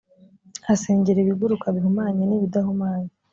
asengera ibiguruka bihumanye n’ibidahumanye